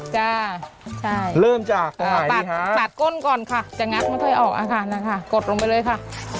จะใช่ปัดก้นก่อนค่ะจะงัดไม่ได้ออกเอาค่ะนั่นค่ะกดลงไปเลยค่ะ